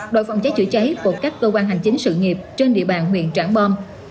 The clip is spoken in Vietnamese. đội phòng cháy chữa cháy của các cơ quan hành chính sự nghiệp trên địa bàn huyện trảng bom